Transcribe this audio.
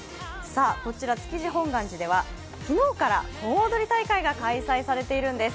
こちら築地本願寺では昨日から盆踊り大会が開催されているんです。